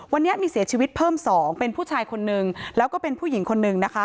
วันนี้มีเสียชีวิตเพิ่มสองเป็นผู้ชายคนนึงแล้วก็เป็นผู้หญิงคนนึงนะคะ